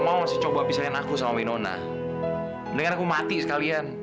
mama masih coba pisahin aku sama winona denger aku mati sekalian